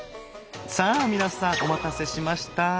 さあ皆さんお待たせしました。